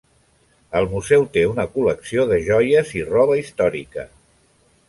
El museu té una col·lecció de joies i roba històrica.